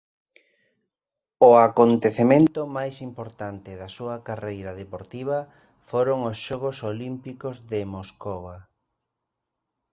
O acontecemento máis importante da súa carreira deportiva foron os Xogos Olímpicos de Moscova.